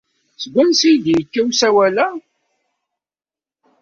Seg wansi ay ak-d-yekka usawal-a?